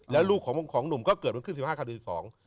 แล้วลูกของหนุ่มก็เกิดวันขึ้น๑๕ข้าง๑๒